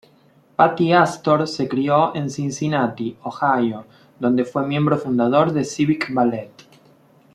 Patti Astor se crio en Cincinnati, Ohio donde fue miembro fundador de Civic Ballet.